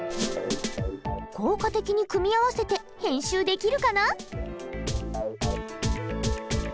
効果的に組み合わせて編集できるかな？